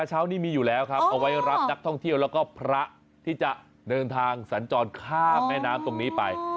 เช้านี้มีอยู่แล้วครับเอาไว้รับนักท่องเที่ยวแล้วก็พระที่จะเดินทางสัญจรข้ามแม่น้ำตรงนี้ไป